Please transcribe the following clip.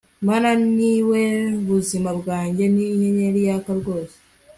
mama niwe buzima bwanjye, ni inyenyeri yaka rwose